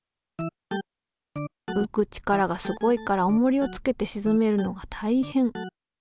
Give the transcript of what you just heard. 浮く力がすごいからおもりをつけてしずめるのがたいへん。